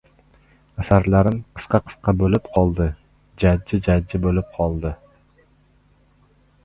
Asarlarim qisqa-qisqa bo‘lib qoldi, jajji-jajji bo‘lib qoldi.